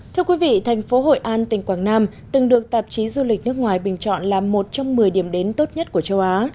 thưa quý vị thành phố hội an tỉnh quảng nam từng được tạp chí du lịch nước ngoài bình chọn là một trong một mươi điểm đến tốt nhất của châu á